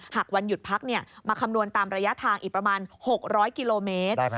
หากวันหยุดพักมาคำนวณตามระยะทางอีกประมาณ๖๐๐กิโลเมตร